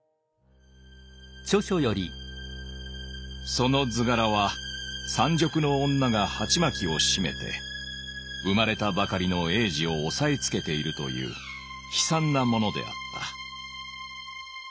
「その図柄は産褥の女がはちまきを締めて生まれたばかりの嬰児を抑えつけているという悲惨なものであった。